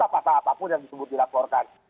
apa apa pun yang disebut dilaporkan